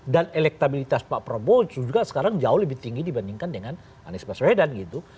dan elektabilitas pak prabowo juga sekarang jauh lebih tinggi dibandingkan dengan anies baswedan gitu